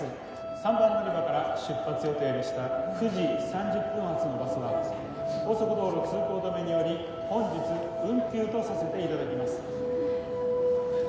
３番乗り場から出発予定でした９時３０分発のバスが高速道路通行止めにより本日運休とさせていただきます。